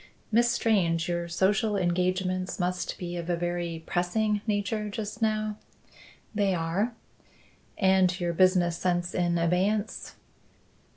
"Miss Strange, your social engagements must be of a very pressing nature just now?" "They are." "And your business sense in abeyance?"